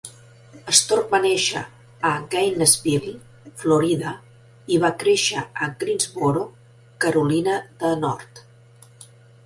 Stork va néixer a Gainesville, Florida i va créixer a Greensboro, Carolina de Nord.